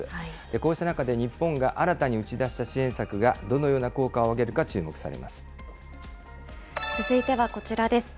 こうした中で日本が新たに打ち出した支援策がどのような効果を上続いてはこちらです。